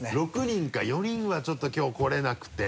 ６人か４人はちょっときょう来れなくて。